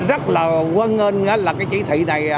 rất là quân ơn là cái chí thị này